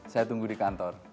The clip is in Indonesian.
saya tunggu di kantor